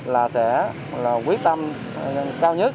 là sẽ quyết tâm cao nhất